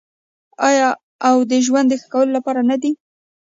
آیا او د ژوند د ښه کولو لپاره نه دی؟